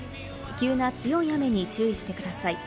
急な強い雨に注意してください。